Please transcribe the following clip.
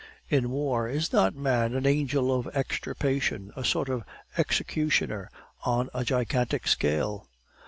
"In war, is not man an angel of extirpation, a sort of executioner on a gigantic scale?